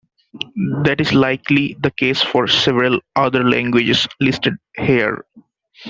That is likely the case for several other languages listed here.